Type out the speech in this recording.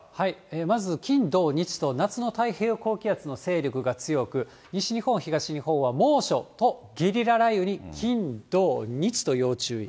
まず金、土、日と夏の太平洋高気圧の勢力が強く、西日本、東日本は猛暑とゲリラ雷雨に金、土、日と要注意。